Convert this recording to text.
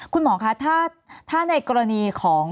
คุณหมอคะถ้าในกรณีของ